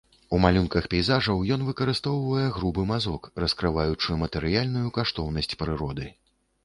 У малюнках пейзажаў ён выкарыстоўвае грубы мазок, раскрываючы матэрыяльную каштоўнасць прыроды.